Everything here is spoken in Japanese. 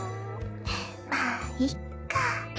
まあいっか。